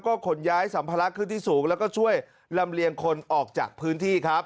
ขนย้ายสัมภาระขึ้นที่สูงแล้วก็ช่วยลำเลียงคนออกจากพื้นที่ครับ